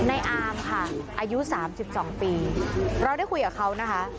อายุสามสิบสองปีเราได้คุยกับเขานะคะ